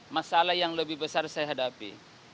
masalah yang lebih besar saya hadapi